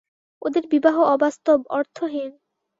ওদের বিবাহ অবাস্তব, অর্থহীন।